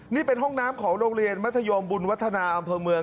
นี่เป็นห้องน้ำของโรงเรียนมัธยมบุญวัฒนาอำเภอเมือง